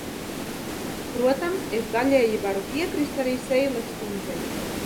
Protams, es daļēji varu piekrist arī Seiles kundzei.